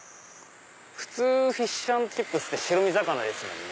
普通フィッシュ＆チップスって白身魚ですもんね。